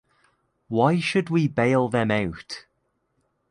Why should we bail them out?